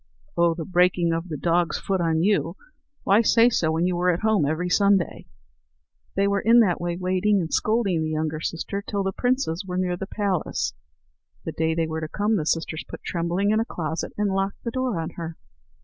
"Oh, the breaking of the dog's foot on you! Why say so when you were at home every Sunday?" They were that way waiting, and scolding the younger sister, till the princes were near the place. The day they were to come, the sisters put Trembling in a closet, and locked the door on her.